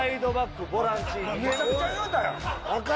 めちゃくちゃ言うたやん！